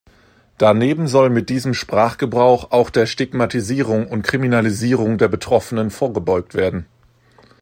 Daneben soll mit diesem Sprachgebrauch auch der Stigmatisierung und Kriminalisierung der Betroffenen vorgebeugt werden.